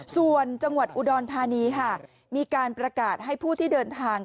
ส่วนจังหวัดอุดรธานีค่ะมีการประกาศให้ผู้ที่เดินทาง